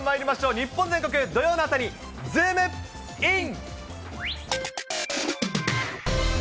日本全国土曜の朝にズームイン！！